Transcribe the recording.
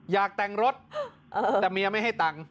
อยากแต่งรถแต่เมียไม่ให้ตังค์